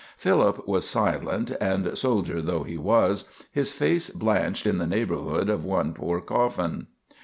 Philip was silent, and, soldier though he was, his face blanched in the neighborhood of one poor coffin.